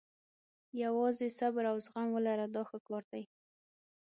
یوازې صبر او زغم ولره دا ښه کار دی.